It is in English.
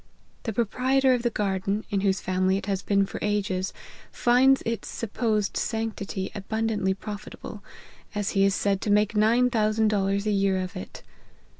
The proprietor of the garden, in whose family it has been for ages, finds its supposed sanctity abundantly profitable, as he is said to make $9,000 a year of it.